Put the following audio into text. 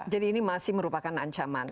jadi ini masih merupakan ancaman